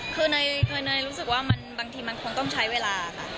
คือเนยรู้สึกว่าบางทีมันคงต้องใช้เวลาค่ะ